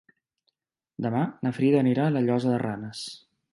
Demà na Frida anirà a la Llosa de Ranes.